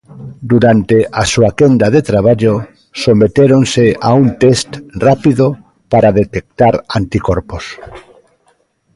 Durante a súa quenda de traballo sometéronse a un test rápido para detectar anticorpos.